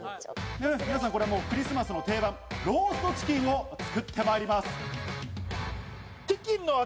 皆さんこれ、クリスマスの定番・ローストチキンを作ってまいります。